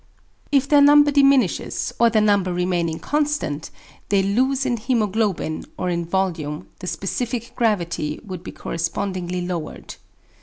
If their number diminishes, or their number remaining constant, they lose in hæmoglobin, or in volume, the specific gravity would be correspondingly lowered.